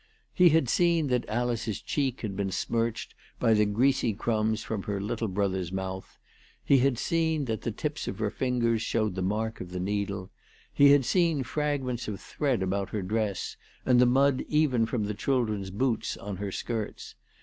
He had seen that Alice's cheek had been smirched by the greasy crumbs from her little brother's mouth, he had seen that the tips of her fingers showed the mark of the needle ; he had seen fragments of thread about her dress, and the mud even from the children's boots on her skirts.